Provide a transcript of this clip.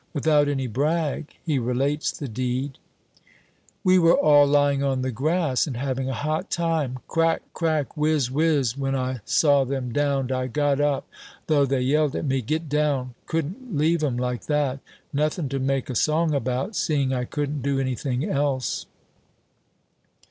Without any brag, he relates the deed "We were all lying on the grass, and having a hot time. Crack, crack! Whizz, whizz! When I saw them downed, I got up, though they yelled at me, 'Get down!' Couldn't leave 'em like that. Nothing to make a song about, seeing I couldn't do anything else."